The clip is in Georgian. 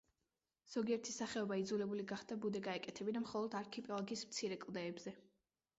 ზოგიერთი სახეობა იძულებული გახდა ბუდე გაეკეთებინა მხოლოდ არქიპელაგის მცირე კლდეებზე.